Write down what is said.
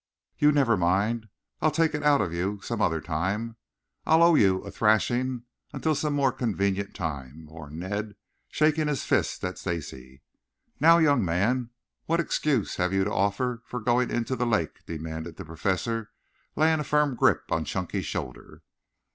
"You never mind! I'll take it out of you some other time. I'll owe you a thrashing until some more convenient time," warned Ned, shaking his fist at Stacy. "Now, young man, what excuse have you to offer for going into the lake?" demanded the Professor, laying a firm grip on Chunky's shoulder.